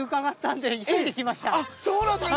そうなんですか？